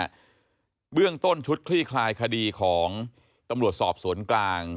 เบื้องต้นชุดคลี่คลายคดีของตำรวจสอบสวนกลาง